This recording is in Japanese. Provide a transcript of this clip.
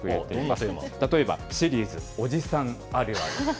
例えばシリーズおじさんあるある。